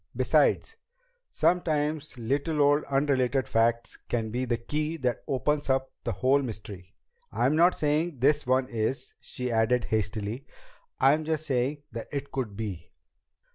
Besides, sometimes little odd, unrelated facts can be the key that opens up the whole mystery. I'm not saying this one is," she added hastily, "I'm just saying that it could be."